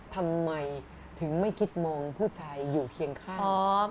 ทำไมถึงไม่คิดมองผู้ชายอยู่เคียงข้าง